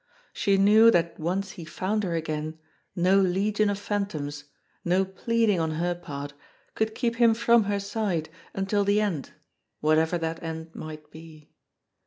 She knew that once he found her again no legion of Phantoms, no pleading on her part, could keep him from her side until the end, whatever that end might be.